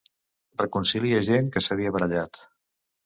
Reconcilia gent que s'havia barallat.